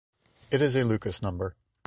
It is a Lucas number.